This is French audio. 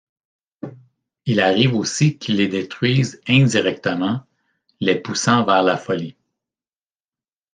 Il arrive aussi qu'il les détruise indirectement, les poussant vers la folie.